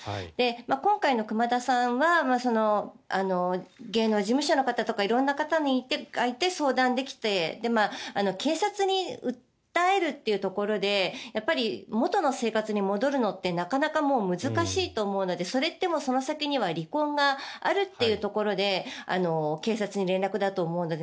今回の熊田さんは芸能事務所の方とか色んな方がいて相談できて警察に訴えるというところでやっぱり元の生活に戻るのってなかなか難しいと思うのでそれって、その先には離婚があるというところで警察に連絡だと思うので